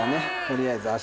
取りあえず。